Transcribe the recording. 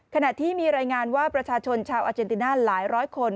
ขณะที่มีรายงานว่าประชาชนชาวอาเจนติน่าหลายร้อยคน